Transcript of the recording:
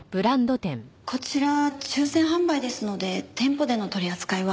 こちら抽選販売ですので店舗での取り扱いは。